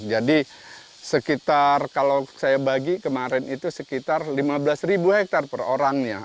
jadi sekitar kalau saya bagi kemarin itu sekitar lima belas hektare per orangnya